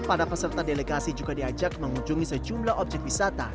para peserta delegasi juga diajak mengunjungi sejumlah objek wisata